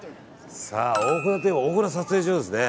大船といえば、大船撮影所ですね。